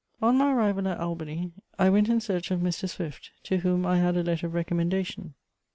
On my arrival at Albany, I went in search of Mr. Swift, to whom I had a letter of recommendation.